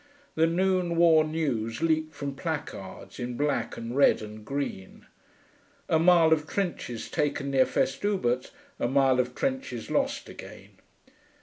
The noon war news leaped from placards, in black and red and green. A mile of trenches taken near Festubert a mile of trenches lost again.